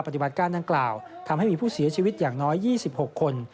ปฏิบัติการดังกล่าวทำให้มีผู้เสียชีวิตอย่างน้อย๒๖คน